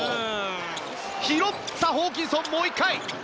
拾ったホーキンソンもう１回！